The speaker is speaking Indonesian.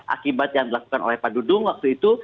akibat yang dilakukan oleh pak dudung waktu itu